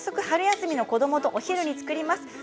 春休みの子どもとお昼に作ります。